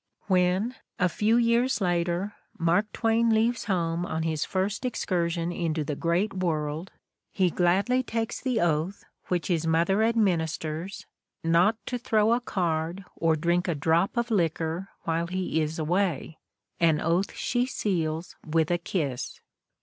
When, a few years later, Mark Twain leaves home on his first excursion into the great world, he gladly takes The Candidate for Life 43 the oath, which his mother administers, "not to throw a card or drink a drop of liquor" while he is away, an oath she seals with a kiss.